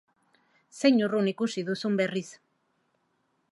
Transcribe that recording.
Zein urrun ikusi duzun berriz.